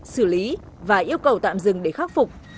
xử lý và yêu cầu tạm dừng để khắc phục